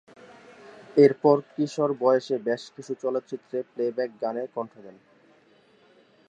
এরপর কিশোর বয়সে বেশ কিছু চলচ্চিত্রে প্লেব্যাক গানে কন্ঠ দেন।